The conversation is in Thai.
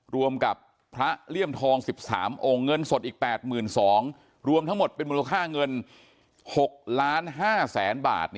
รวมกับพระเลี่ยมทอง๑๓องค์เงินสดอีก๘๒๐๐รวมทั้งหมดเป็นมูลค่าเงิน๖ล้าน๕แสนบาท